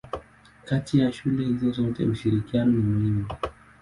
Kati ya shule hizo zote ushirikiano ni muhimu.